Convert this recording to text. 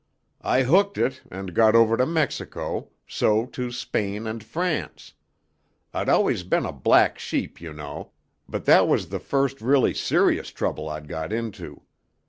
I hooked it, and got over to Mexico, so to Spain and France. I'd always been a black sheep, you know, but that was the first really serious trouble I'd got into.